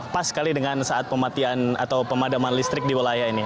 pas sekali dengan saat pematian atau pemadaman listrik di wilayah ini